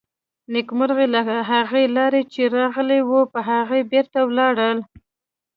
نېکمرغي له هغې لارې چې راغلې وه، په هغې بېرته لاړه.